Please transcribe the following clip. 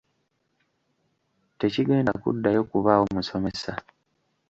Tekigenda kuddayo kubaawo musomesa